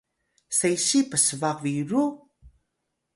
sesiy psbaq biru?